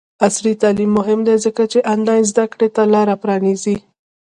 عصري تعلیم مهم دی ځکه چې آنلاین زدکړې ته لاره پرانیزي.